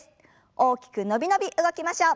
大きく伸び伸び動きましょう。